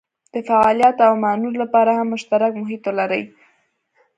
د فعالیت او مانور لپاره هم مشترک محیط ولري.